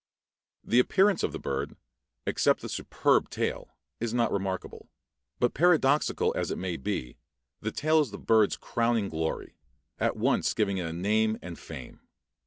The appearance of the bird, except the superb tail, is not remarkable; but paradoxical as it may be, the tail is the bird's crowning glory, at once giving it a name and fame.